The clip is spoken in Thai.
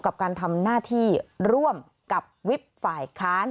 กับการทำหน้าที่ร่วมกับวิบฝ่ายค้าน